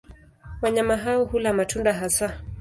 Wanyama hao hula matunda hasa.